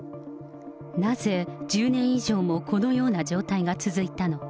なぜ、１０年以上もこのような状態が続いたのか。